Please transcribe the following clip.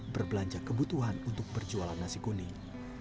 berbelanja kebutuhan untuk berjualan nasi kuning